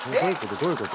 どういうこと？